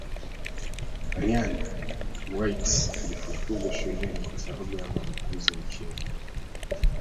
ryan white alifukuzwa shuleni kwa sababu ya maambukizi ya ukimwi